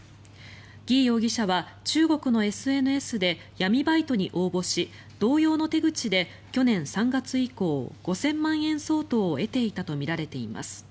ギ容疑者は、中国のＳＮＳで闇バイトに応募し同様の手口で去年３月以降５０００万円相当を得ていたとみられています。